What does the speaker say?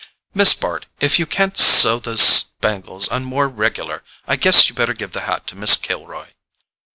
"Miss Bart, if you can't sew those spangles on more regular I guess you'd better give the hat to Miss Kilroy."